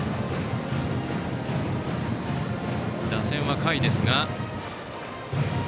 打線は下位です。